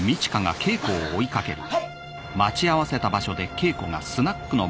はい！